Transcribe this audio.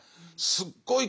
すっごい